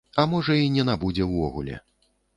А можа, і не набудзе ўвогуле.